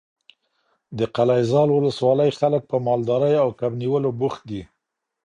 د قلعه زال ولسوالۍ خلک په مالدارۍ او کب نیولو بوخت دي.